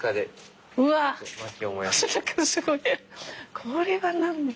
これは何？